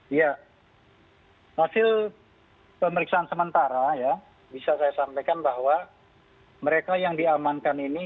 iya hasil pemeriksaan sementara ya bisa saya sampaikan bahwa mereka yang diamankan ini